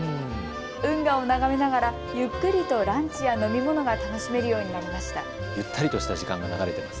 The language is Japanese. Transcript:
運河を眺めながらゆっくりとランチや飲み物が楽しめるようになりました。